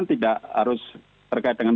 tidak harus terkait dengan